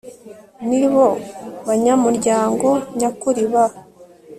nibo banyamuryango nyakuri ba